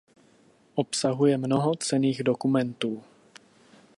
Obsahuje mnoho cenných dokumentů.